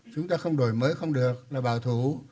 chúng ta không đổi mới không được là bảo thủ